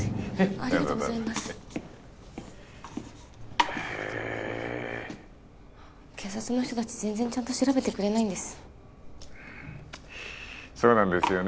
ありがとうございますへえ警察の人達全然ちゃんと調べてくれないんですそうなんですよね